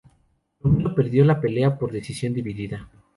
Romero perdió la pelea por decisión dividida.